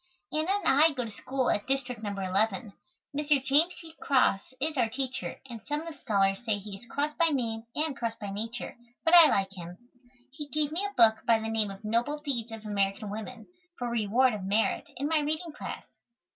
Anna and I go to school at District No. 11. Mr. James C. Cross is our teacher, and some of the scholars say he is cross by name and cross by nature, but I like him. He gave me a book by the name of "Noble Deeds of American Women," for reward of merit, in my reading class.